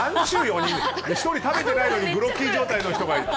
１人食べてないのにグロッキー状態の人がいる。